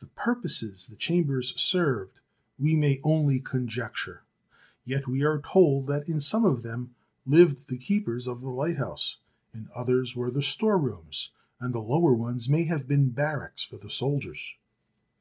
The purposes the chambers served we may only conjecture, yet we are told that in some of them lived the keepers of the lighthouse; in others were the storerooms, and the lower ones may have been barracks for the soldiers.